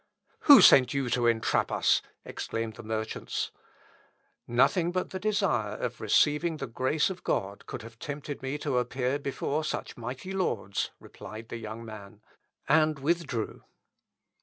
"Who sent you to entrap us?" exclaimed the merchants. "Nothing but the desire of receiving the grace of God could have tempted me to appear before such mighty lords," replied the young man, and withdrew.